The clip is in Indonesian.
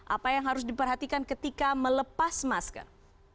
apa yang harus diperhatikan ketika melepas masker